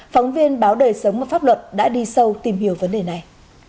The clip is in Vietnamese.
phóng viên báo đời sống và pháp luật đã đi sâu tìm hiểu vấn đề này